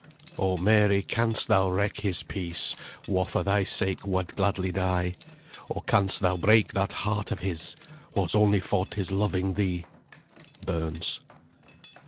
"O Mary, canst thou wreck his peace, Wha for thy sake wad gladly die? Or canst thou break that heart of his, Whase only faut is loving thee?" BURNS.